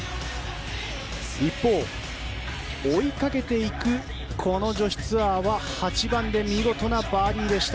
一方、追いかけていくこの女子ツアーは８番で見事なバーディーでした。